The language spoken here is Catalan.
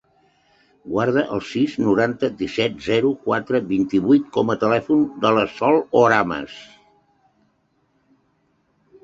Guarda el sis, noranta, disset, zero, quatre, vint-i-vuit com a telèfon de la Sol Oramas.